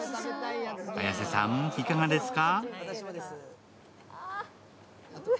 綾瀬さん、いかがですか？